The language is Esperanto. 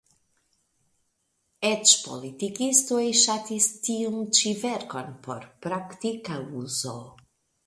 Eĉ politikistoj ŝatis tiun ĉi verkon por praktika uzo.